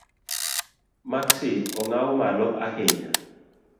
Maksi ong’aw malo ahinya?